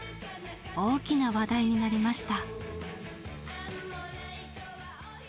大きな話題になりました。